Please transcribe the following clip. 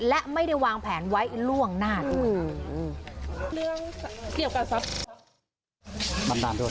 และไม่ได้วางแผนไว้ล่วงหน้าด้วย